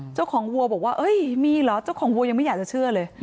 วัวบอกว่ามีเหรอเจ้าของวัวยังไม่อยากจะเชื่อเลย